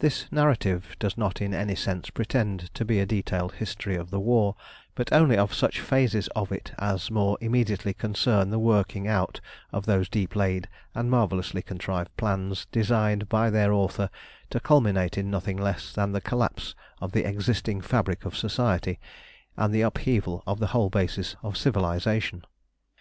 This narrative does not in any sense pretend to be a detailed history of the war, but only of such phases of it as more immediately concern the working out of those deep laid and marvellously contrived plans designed by their author to culminate in nothing less than the collapse of the existing fabric of Society, and the upheaval of the whole basis of civilisation.